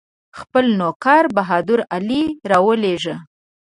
خپل نوکر بهادر علي راولېږه.